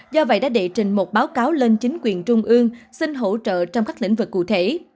do vậy đã đệ trình một báo cáo lên chính quyền trung ương xin hỗ trợ trong các lĩnh vực cụ thể